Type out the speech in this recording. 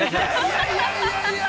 ◆いやいや、いやいや。